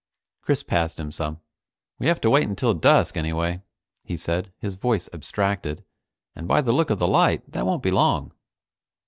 Chris passed him some. "We have to wait until dusk anyway," he said, his voice abstracted, "and by the look of the light that won't be long."